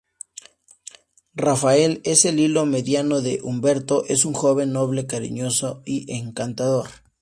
Rafael es el hijo mediano de Humberto, es un joven noble, cariñoso y encantador.